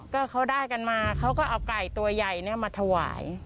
ก็เขาได้กันมาเขาก็เอาไก่ตัวใหญ่มาถวาย